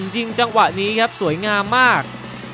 ยิงจังหวะนี้ครับสวยงามมาก